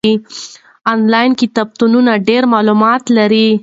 آنلاین کتابتونونه ډېر معلومات لري.